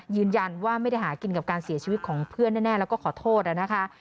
ยืนยันว่าไม่ได้หากินกับการเสียชีวิตของเพื่อนแน่แล้วก็ขอโทษนะคะ